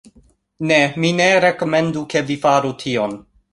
Ne, mi ne rekomendu, ke vi faru tion.